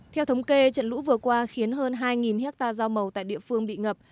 theo thống kê trận lũ vừa qua khiến hơn hai hectare rau màu tại địa phương bị ngập